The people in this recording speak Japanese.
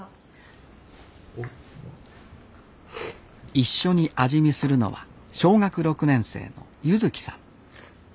一緒に味見するのは小学６年生の柚希さん。